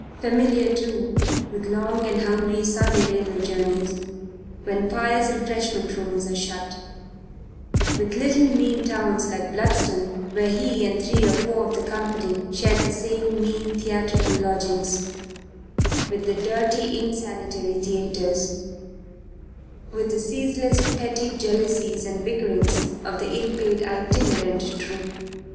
Familiar, too, with long and hungry Sunday railway journeys when pious refreshment rooms are shut; with little mean towns like Bludston, where he and three or four of the company shared the same mean theatrical lodgings; with the dirty, insanitary theatres; with the ceaseless petty jealousies and bickerings of the ill paid itinerant troupe.